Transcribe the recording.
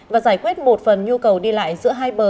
và giải quyết một phần nhu cầu đi lại giữa hai bờ